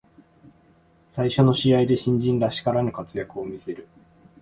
最初の試合で新人らしからぬ活躍を見せる